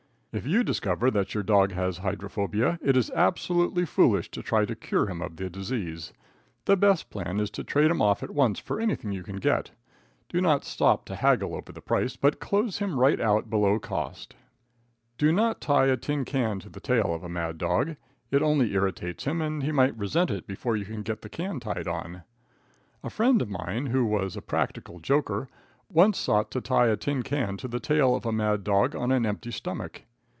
If you discover that your dog has hydrophobia, it is absolutely foolish to try to cure him of the disease. The best plan is to trade him off at once for anything you can get. Do not stop to haggle over the price, but close him right out below cost. Do not tie a tin can to the tail of a mad dog. It only irritates him, and he might resent it before you get the can tied on. A friend of mine, who was a practical joker, once sought to tie a tin can to the tail of a mad dog on an empty stomach.